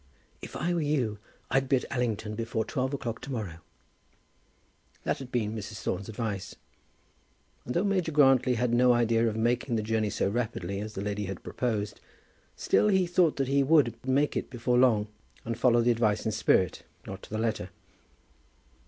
"If I were you, I'd be at Allington before twelve o'clock to morrow." That had been Mrs. Thorne's advice; and though Major Grantly had no idea of making the journey so rapidly as the lady had proposed, still he thought that he would make it before long, and follow the advice in spirit if not to the letter.